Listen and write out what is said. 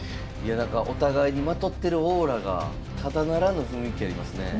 お互いにまとってるオーラがただならぬ雰囲気ありますねえ。